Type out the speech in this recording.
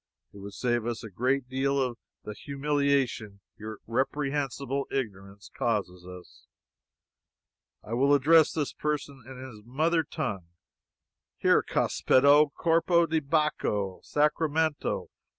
It would save us a great deal of the humiliation your reprehensible ignorance causes us. I will address this person in his mother tongue: 'Here, cospetto! corpo di Bacco! Sacramento!